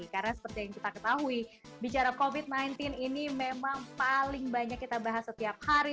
karena seperti yang kita ketahui bicara covid sembilan belas ini memang paling banyak kita bahas setiap hari